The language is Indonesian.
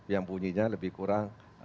yang bunyinya lebih kurang